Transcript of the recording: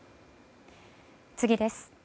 次です。